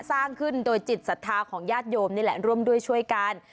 สร้างขึ้นโดยจิตศรัทธาของญาติโยมนี่แหละร่วมด้วยช่วยกัน